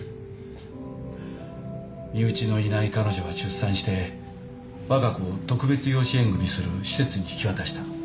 身内のいない彼女が出産してわが子を特別養子縁組する施設に引き渡した。